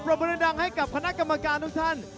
บริเวณดังให้กับคณะกรรมการทุกท่าน